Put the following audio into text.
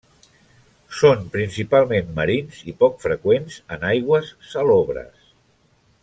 Són principalment marins i poc freqüents en aigües salobres.